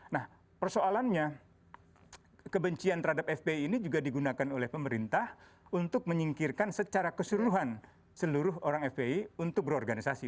nah persoalannya kebencian terhadap fpi ini juga digunakan oleh pemerintah untuk menyingkirkan secara keseluruhan seluruh orang fpi untuk berorganisasi